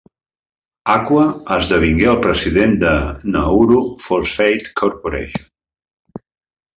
Akua esdevingué el president de Nauru Phosphate Corporation.